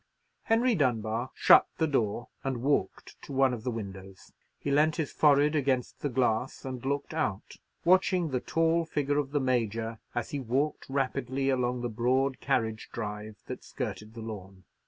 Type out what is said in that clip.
Henry Dunbar shut the door, and walked to one of the windows. He leaned his forehead against the glass, and looked out, watching the tall figure of the Major, as he walked rapidly along the broad carriage drive that skirted the lawn.